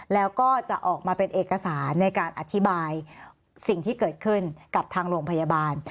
แล้วก็จะออกมาเป็นเอกสารในการอธิบายสิ่งที่เกิดขึ้นกับทางโรงพยาบาล